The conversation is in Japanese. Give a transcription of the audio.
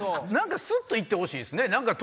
スッと行ってほしいですね。